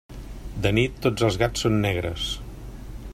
De nit tots els gats són negres.